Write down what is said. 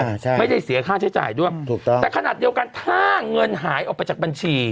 ไม่ได้เสียค่าใช้จ่ายด้วยถูกต้องแต่ขนาดเดียวกันถ้าเงินหายออกไปจากบัญชี